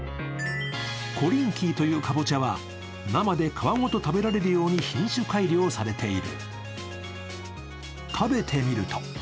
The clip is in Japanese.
コリンキーというカボチャは生で皮ごと食べられるように品種改良されている。